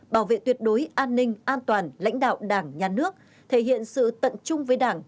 bảo vệ tuyệt đối an ninh an toàn lãnh đạo đảng nhà nước thể hiện sự tận chung với đảng